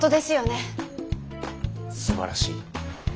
すばらしい。